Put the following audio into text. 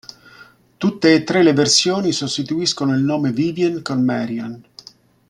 Tutte e tre le versioni sostituiscono il nome "Vivien" con "Marion".